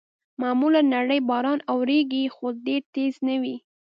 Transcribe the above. معمولاً نری باران اورېږي، خو ډېر تېز نه وي.